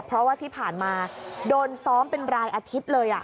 เพราะว่าที่ผ่านมาโดนซ้อมเป็นรายอาทิตย์เลย